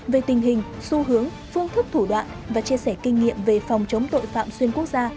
về tình hình xu hướng phương thức thủ đoạn và chia sẻ kinh nghiệm về phòng chống tội phạm xuyên quốc gia